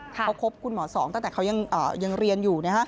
เขาคบคุณหมอสองตั้งแต่เขายังเรียนอยู่